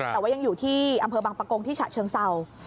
แต่ว่ายังอยู่ที่อำเภอบังปะโกงที่ฉะเชิงเศร้า